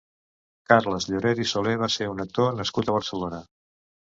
Carles Lloret i Soler va ser un actor nascut a Barcelona.